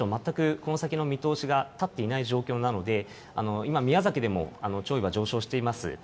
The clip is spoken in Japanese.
全くこの先の見通しが立っていない状況なので、今、宮崎でも潮位は上昇しています。